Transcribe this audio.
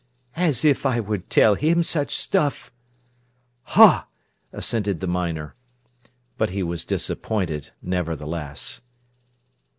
"As if I would tell him such stuff!" "Ha!" assented the miner. But he was disappointed nevertheless.